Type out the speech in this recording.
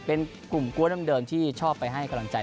เป็นกลุ่มกวนเดิมที่ชอบไปให้กำลังใจ